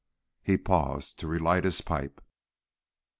He paused to relight his pipe.